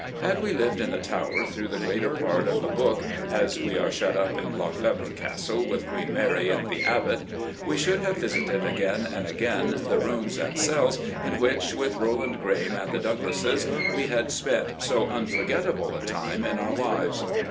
Had we lived in the Tower through the greater part of a book, as we are shut up in Loch Leven Castle with Queen Mary in The Abbot, we should have visited again and again the rooms and cells in which, with Roland Graeme and the Douglases, we had spent so unforgettable a time in our lives.